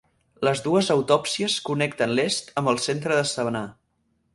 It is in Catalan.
Les dues autopistes connecten l'est amb el centre de Savannah.